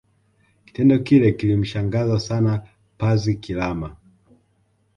Kitendo kile kilimshangaza sana Pazi Kilama